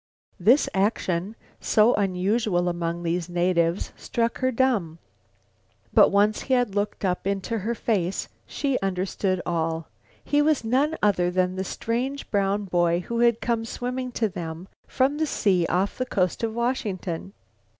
This action, so unusual among these natives, struck her dumb. But once he had looked up into her face, she understood all; he was none other than the strange brown boy who had come swimming to them from the sea off the coast of Washington.